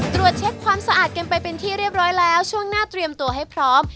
ตรวจเช็คความสะอาดกันไปเป็นที่เรียบร้อยแล้วช่วงหน้าเตรียมตัวให้พร้อม